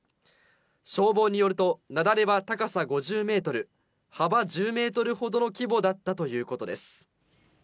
消防によると、雪崩は高さ５０メートル、幅１０メートルほどの規模だったということです。